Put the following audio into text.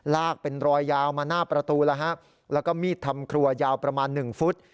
ลากเป็นรอยยาวมาหน้าประตูแล้วฮะแล้วก็มีดทำครัวยาวประมาณ๑ฟุต